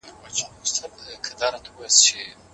نړيوال حقوق بايد هيڅکله تر پښو لاندي نسي.